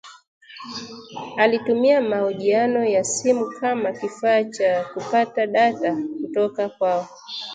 alitumia mahojiano ya simu kama kifaa cha kupata data kutoka kwao